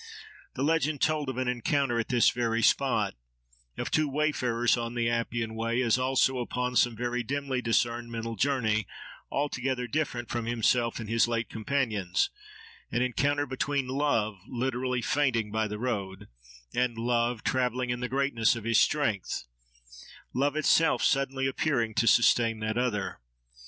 The legend told of an encounter at this very spot, of two wayfarers on the Appian Way, as also upon some very dimly discerned mental journey, altogether different from himself and his late companions—an encounter between Love, literally fainting by the road, and Love "travelling in the greatness of his strength," Love itself, suddenly appearing to sustain that other.